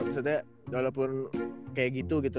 maksudnya walaupun kayak gitu gitu